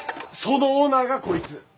そのオーナーがこいつ？